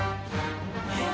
えっ。